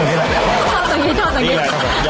อุ๊ยเสร็จ